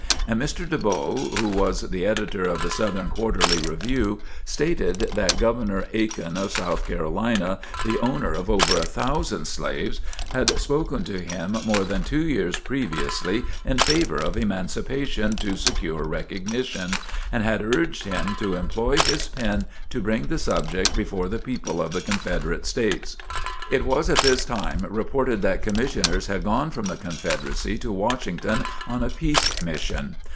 And Mr. de Bow, who was the editor of the "Southern Quarterly Review," stated that Governor Aiken of South Carolina, the owner of over a thousand slaves, had spoken to him more than two years previously in favor of emancipation to secure recognition, and had urged him to employ his pen to bring the subject before the people of the Confederate States. It was at this time reported that Commissioners had gone from the Confederacy to Washington on a peace mission.